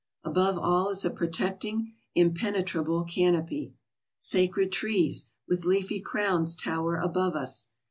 Above all is a protecting, impenetrable canopy. Sacred trees, with leafy crowns, tower above us.